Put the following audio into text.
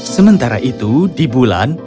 sementara itu di bulan